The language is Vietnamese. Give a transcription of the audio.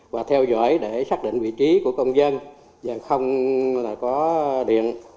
và theo dõi để xác định vị trí của công dân và không có điện